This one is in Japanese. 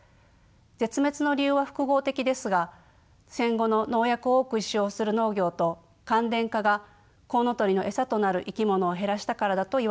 絶滅の理由は複合的ですが戦後の農薬を多く使用する農業と乾田化がコウノトリの餌となる生き物を減らしたからだといわれています。